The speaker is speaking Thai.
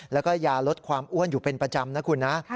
แล้วก็ยาลดความอ้วนอยู่เป็นประจำนะคุณนะ